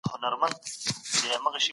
زه سهار وختي راکښېنم.